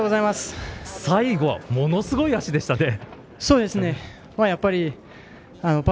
最後ものすごい脚でしたね。